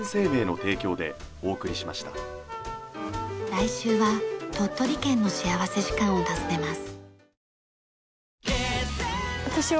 来週は鳥取県の幸福時間を訪ねます。